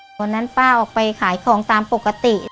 วันนั้นป้าออกไปขายของตามปกติ